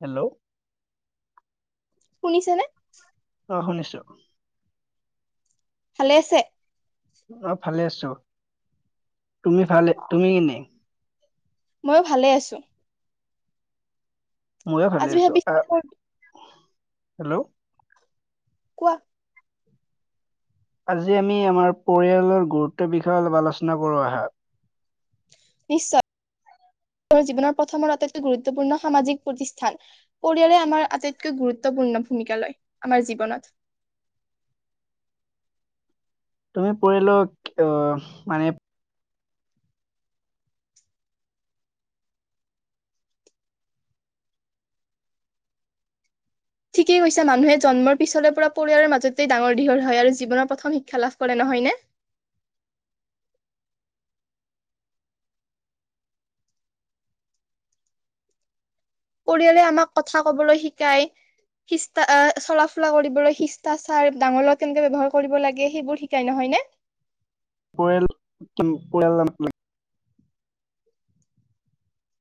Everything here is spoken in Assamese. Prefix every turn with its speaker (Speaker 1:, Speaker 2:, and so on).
Speaker 1: হেল্ল'
Speaker 2: শুনিছেনে?
Speaker 1: অঁ শুনিছো।
Speaker 2: ভালে আছে?
Speaker 1: অ ভালে আছো তুমি ভালে। তুমি ভালে তুমি কেনে?
Speaker 2: মই ভালে আছোঁ।
Speaker 1: মইও ভালে
Speaker 2: আজি
Speaker 1: আছোঁ,
Speaker 2: ভাবিছিলো
Speaker 1: আহ
Speaker 2: মোৰ-
Speaker 1: হেল্ল'।
Speaker 2: কোৱা।
Speaker 1: আজি আমি আমাৰ পৰিয়ালৰ গুৰুত্বৰ বিষয়ে অলপ আলোচনা কৰোঁ আহা।
Speaker 2: নিশ্চয় [unintelligible] জীৱনৰ প্ৰথম আটাইতকৈ গুৰুত্বপূৰ্ণ সামাজিক প্ৰতিষ্ঠান। পৰিয়ালে আমাৰ আটাইতকৈ গুৰুত্বপূৰ্ণ ভূমিকা লয় আমাৰ জীৱনত।
Speaker 1: তুমি পৰিয়ালত আহ মানে
Speaker 2: ঠিকেই কৈছা মানুহে জন্মৰ পিছৰে পৰা পৰিয়ালৰ মাজতেই ডাঙৰ দীঘল হয় আৰু জীৱনৰ প্ৰথম শিক্ষা লাভ কৰে নহয়নে। পৰিয়ালে আমাক কথা ক'বলৈ শিকায়। শিষ্টা চলাফুলা কৰিবলৈ শিষ্টাচাৰ ডাঙৰৰ লগত কেনেকে ব্যৱহাৰ কৰিব লাগে সেইবোৰ শিকাই নহয়নে।
Speaker 1: পৰিয়াল, পৰিয়াল [unintelligible]